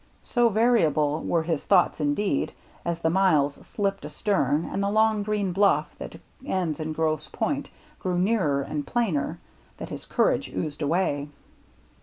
So variable were his thoughts indeed, as the miles slipped astern and the long green blufF that ends in Grosse Pointe grew nearer and plainer, that his courage oozed away.